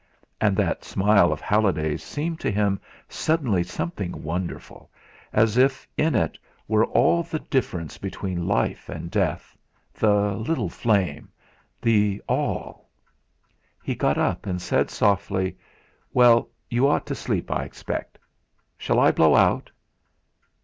And that smile of Halliday's seemed to him suddenly something wonderful, as if in it were all the difference between life and death the little flame the all! He got up, and said softly: "Well, you ought to sleep, I expect. Shall I blow out?"